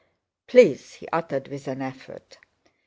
"Please," he uttered with an effort.